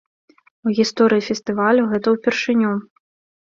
У гісторыі фестывалю гэта ўпершыню.